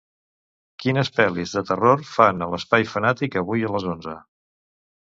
Quines pel·lis de terror fan a l'Espai Funàtic avui a les onze?